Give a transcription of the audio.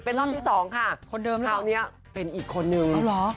เป็นรอบที่สองค่ะคนเดิมคราวนี้เป็นอีกคนนึง